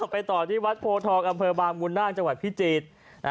ไปต่อที่วัดโพทองอำเภอบางบุญนาคจังหวัดพิจิตร